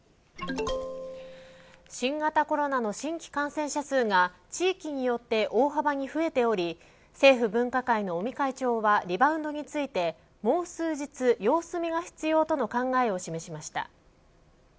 新型コロナの新規感染者数が地域によって大幅に増えており政府分科会の尾身会長はリバウンドについてもう数日様子見が必要との考えを示しました。